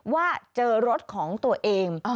ว่าเจอรถของตัวเอง